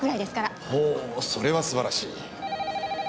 ほうそれは素晴らしい。